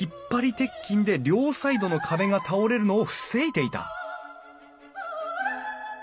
鉄筋で両サイドの壁が倒れるのを防いでいた！